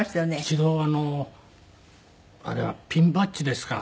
一度あれはピンバッジですか？